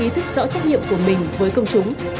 giải thích rõ trách nhiệm của mình với công chúng